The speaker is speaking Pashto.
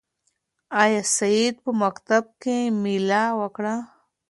آیا سعید په مکتب کې مېله وکړه؟